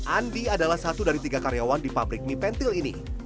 andi adalah satu dari tiga karyawan di pabrik mie pentil ini